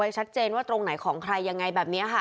ชัดเจนว่าตรงไหนของใครยังไงแบบนี้ค่ะ